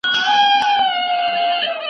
تا خو د زمان د سمندر څپو ته واچول .